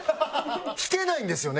弾けないんですよね？